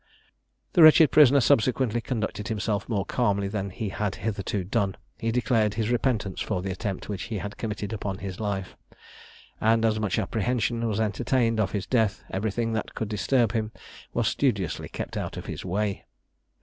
The wretched prisoner subsequently conducted himself more calmly than he had hitherto done; he declared his repentance for the attempt which he had committed upon his life, and, as much apprehension was entertained of his death, everything that could disturb him was studiously kept out of his way.